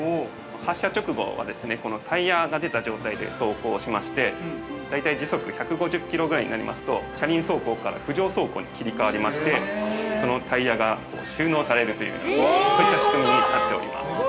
発車直後は、タイヤが出た状態で走行しまして大体時速１５０キロぐらいになりますと車輪走行から浮上走行に切り替わりましてそのタイヤが収納されるというようなそういった仕組みになっております。